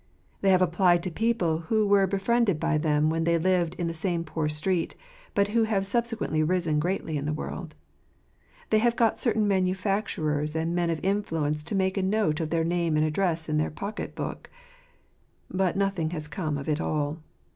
They have applied to people who were befriended by them when they lived in the same poor street, but who have subse quently risen greatly in the world. They have got certain manufacturers and men of influence to make a note of their name and address in their pocket book. But nothing has come of it all.